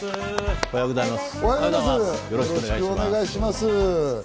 おはようございます。